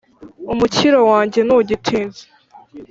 umukiro wanjye ntugitinze ;